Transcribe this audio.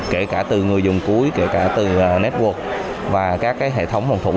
kể cả từ người dùng cuối kể cả từ network và các hệ thống hồn thủ